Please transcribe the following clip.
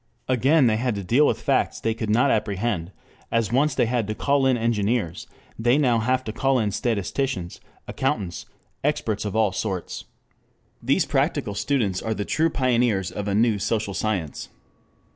Again they had to deal with facts they could not apprehend, and as once they had to call in engineers, they now have to call in statisticians, accountants, experts of all sorts. These practical students are the true pioneers of a new social science.